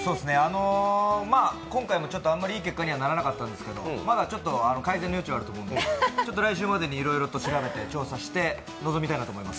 今回もあまりいい結果にはならなかったですけどまだ改善の余地はあると思うので来週までにいろいろと調査して臨みたいと思います。